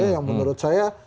yang menurut saya